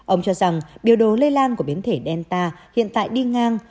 ông cho rằng biểu đồ lây lan của biến thể delta hiện tại đi ngang